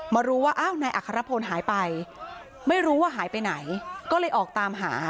รู้ว่าอ้าวนายอัครพลหายไปไม่รู้ว่าหายไปไหนก็เลยออกตามหา